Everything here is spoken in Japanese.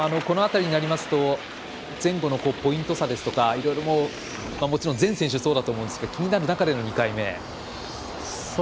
この辺りになりますと前後のポイント差ですとかいろいろ、もちろん全選手そうだと思いますが気になる中での２回目。